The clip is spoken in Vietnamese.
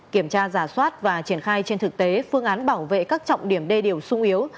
kiểm tra giả soát và triển khai trên thực tế phương án bảo vệ các trọng điểm đê điều sung yếu